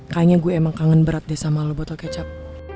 kayaknya gue emang kangen berat deh sama lu botol kecap